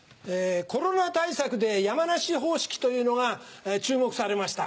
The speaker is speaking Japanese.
コロナ対策で山梨方式というのが注目されました。